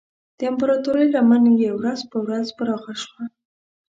د امپراتورۍ لمن یې ورځ په ورځ پراخه شوه.